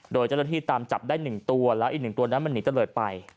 โดยเจ้าหน้าที่ตามจับได้๑ตัวแล้วอีก๑ตัวนั้นมันหนีเตลิศไป